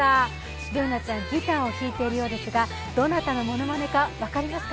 Ｂｏｏｎａちゃん、ギターを弾いてるようですがどなたのものまねか分かりますか？